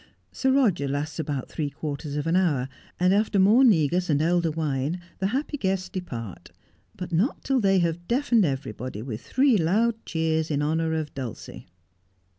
Sir Roger lasts about three quarters of an hour, and after more negus and elder wine the happy guests depart, but not, till they have deafened everybody with three loud cheers in honour of Dulcie.